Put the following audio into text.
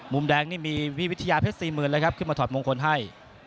มุมแดงนี่มีพี่วิทยาเพชร๔๐๐๐เลยครับขึ้นมาถอดมงคลให้